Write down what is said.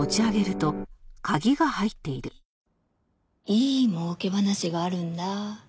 いい儲け話があるんだ。